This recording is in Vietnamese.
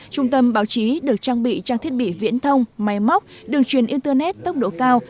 trung tâm báo chí được trang bị trang thiết bị viễn thông máy móc đường truyền internet tốc độ cao